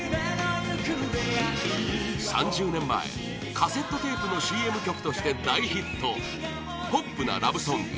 ３０年前、カセットテープのＣＭ曲として大ヒットポップなラブソング